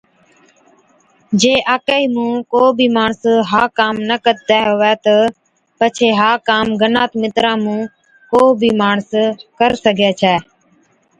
جي آڪهِي مُون ڪو بِي ماڻس ها ڪام نہ ڪتيَ هُوَي تہ پڇي ها ڪام گنات مِترا مُون ڪو بِي ماڻس ڪر سِگھَي ڇَي